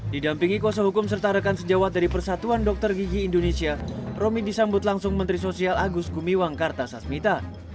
didampingi kuasa hukum serta rekan sejawat dari persatuan dokter gigi indonesia romi disambut langsung menteri sosial agus gumiwang kartasasmita